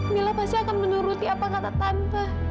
mila pasti akan menuruti apa kata tanpa